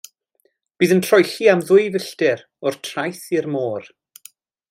Bydd yn troelli am ddwy filltir o'r traeth i'r môr.